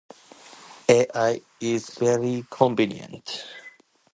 AI is very convenient.